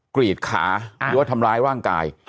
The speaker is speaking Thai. กรีดขาหรือว่าทำร้ายร่างกาย